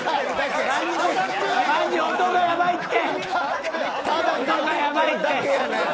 音がやばいって。